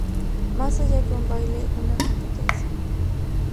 Más que un baile una competencia.